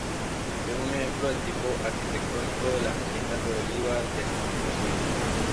Es un ejemplo del tipo arquitectónico de las haciendas de olivar del ámbito sevillano.